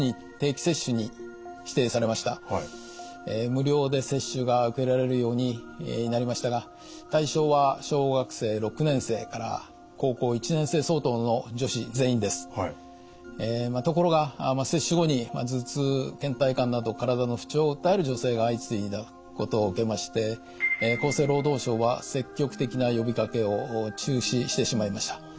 無料で接種が受けられるようになりましたが対象はところが接種後に頭痛けん怠感など体の不調を訴える女性が相次いだことを受けまして厚生労働省は積極的な呼びかけを中止してしまいました。